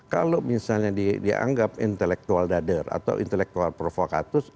kalau misalnya dianggap intelektual dader atau intelektual provokatus